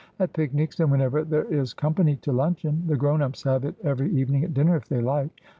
' At picnics, and whenever there is company to luncheon. The grown ups have it every evening at dinner, if they like.